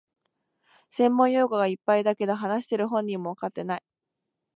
専門用語がいっぱいだけど、話してる本人もわかってない